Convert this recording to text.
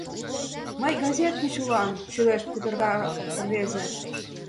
— Мый газет гыч улам... — шӱлешт кутыра рвезе.